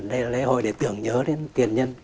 đây là lễ hội để tưởng nhớ đến tiền nhân